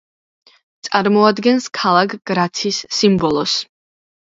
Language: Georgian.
წარმოადგენს ქალაქ გრაცის სიმბოლოს.